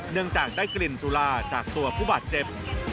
เนื่องจากได้กลิ่นสุราจากตัวผู้บาดเจ็บ